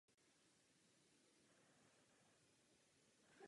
Ústředním tématem je svobodná vůle jedince.